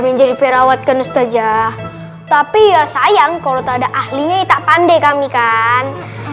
menjadi perawat kan ustadz ya tapi ya sayang kalau tak ada ahlinya ya tak pandai kami kan